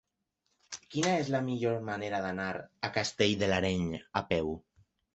Quina és la millor manera d'anar a Castell de l'Areny a peu?